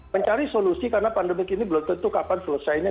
mencari solusi karena pandemik ini belum tentu kapan selesainya